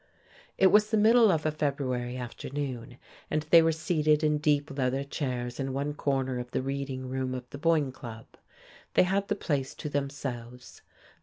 It was the middle of a February afternoon, and they were seated in deep, leather chairs in one corner of the reading room of the Boyne Club. They had the place to themselves.